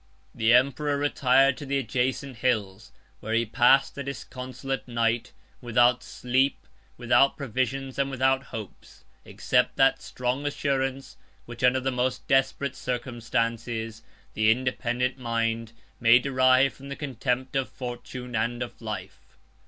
The emperor retired to the adjacent hills; where he passed a disconsolate night, without sleep, without provisions, and without hopes; 119 except that strong assurance, which, under the most desperate circumstances, the independent mind may derive from the contempt of fortune and of life.